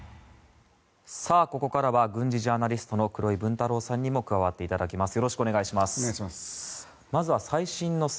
ここからは軍事ジャーナリストの黒井文太郎さんにも加わっていただきます。